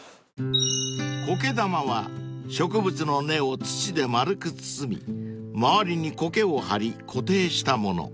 ［苔玉は植物の根を土で丸く包み周りにコケを張り固定したもの］